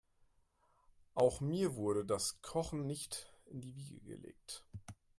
Auch mir wurde das Kochen nicht in die Wiege gelegt.